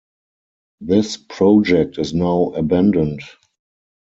This project is now abandoned.